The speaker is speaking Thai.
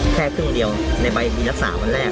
แค่ครึ่งเดียวในใบมีรักษาวันแรก